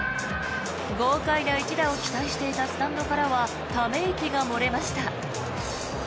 豪快な一打を期待していたスタンドからはため息が漏れました。